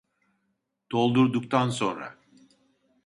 Doldurduktan sonra